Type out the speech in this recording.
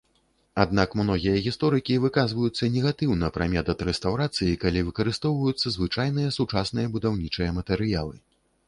Аднак многія гісторыкі выказваюцца негатыўна пра метад рэстаўрацыі, калі выкарыстоўваюцца звычайныя сучасныя будаўнічыя матэрыялы.